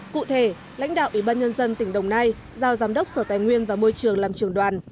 cụ thể lãnh đạo ủy ban nhân dân tỉnh đồng nai giao giám đốc sở tài nguyên và môi trường làm trường đoàn